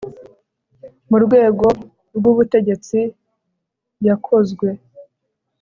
mu rwego rw'ubutegetsi yakozwe